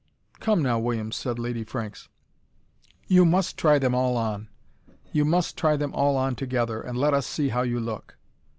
"Come now, William," said Lady Franks, "you must try them all on. You must try them all on together, and let us see how you look."